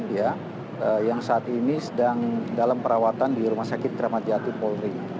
yang saat ini sedang dalam perawatan di rumah sakit kramat jatuh polri